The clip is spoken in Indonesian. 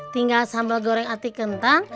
tinggal sambal goreng ati kentang